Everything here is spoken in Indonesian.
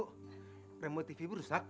kok remote tv berusak